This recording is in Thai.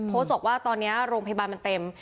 โพสต์บอกว่าตอนนี้โรงพยาบาลมันเต็ม